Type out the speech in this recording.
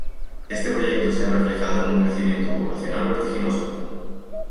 Este proyecto se ha reflejado en un crecimiento poblacional vertiginoso.